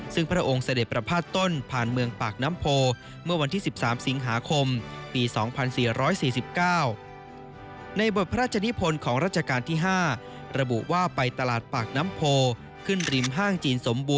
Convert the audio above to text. ซึ่งพระองค์เสด็จประพาทต้นผ่านเมืองปากน้ำโพเมื่อวันที่๑๓สิงหาคมปี๒๔๔๙